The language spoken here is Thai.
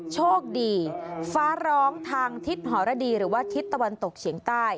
โชคดีฟ้าร้องทางทิศหรดีหรือว่าทิศตะวันตกเฉียงใต้